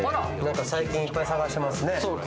最近、いっぱい探してますね